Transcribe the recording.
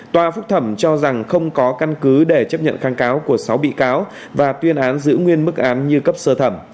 tòa phúc thẩm cho rằng không có căn cứ để chấp nhận kháng cáo của sáu bị cáo và tuyên án giữ nguyên mức án như cấp sơ thẩm